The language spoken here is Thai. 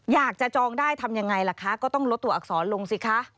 จองได้ทำยังไงล่ะคะก็ต้องลดตัวอักษรลงสิคะ